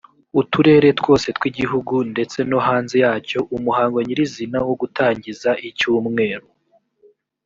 uturere twose tw igihugu ndetse no hanze yacyo umuhango nyirizina wo gutangiza icyumweru